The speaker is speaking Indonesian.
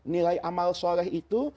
nilai amal soleh itu